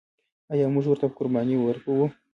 آیا موږ ورته قرباني ورکوو؟